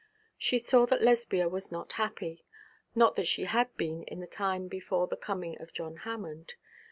She saw that Lesbia was not happy, not as she had been in the time before the coming of John Hammond.